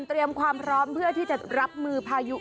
เตรียมความพร้อมเพื่อที่จะรับมือพายุ